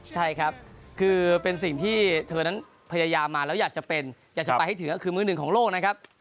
ใช่ครับคือเป็นสิ่งที่เธอนั้นพยายามมาแล้วอยากจะเป็นอยากจะไปให้ถึงก็คือมือหนึ่งของโลกนะครับ